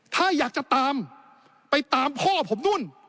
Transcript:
ถ้าอยากจะตามไปตามพ่อผมนู่น